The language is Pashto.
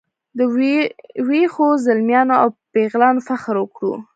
په ویښو زلمیانو او پیغلانو فخر وکړو.